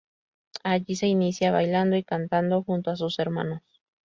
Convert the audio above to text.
Allí se inicia bailando y cantando junto a sus hermanos.